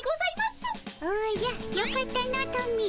おじゃよかったのトミー。